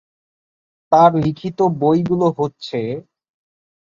তার লিখিত বইগুলো হচ্ছে,